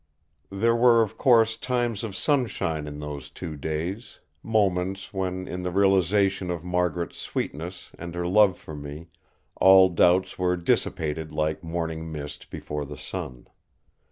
There were of course times of sunshine in those two days; moments when, in the realisation of Margaret's sweetness and her love for me, all doubts were dissipated like morning mist before the sun.